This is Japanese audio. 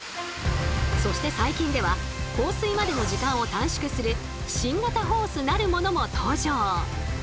そして最近では放水までの時間を短縮する新型ホースなるものも登場。